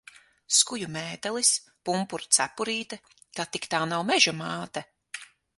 Skuju mētelis, pumpuru cepurīte. Kad tik tā nav Meža māte?